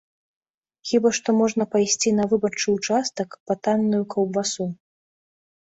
Хіба што можна пайсці на выбарчы ўчастак па танную каўбасу.